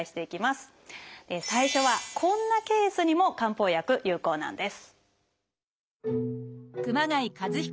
最初はこんなケースにも漢方薬有効なんです。